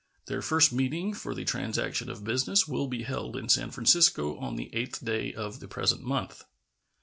Their first meeting for the transaction of business will be held in San Francisco on the 8th day of the present month.